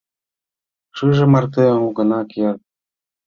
Шыже марте огына керт.